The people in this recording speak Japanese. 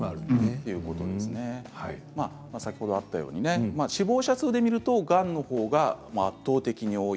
先ほどあったように死亡者数で見るとがんのほうが圧倒的に多い。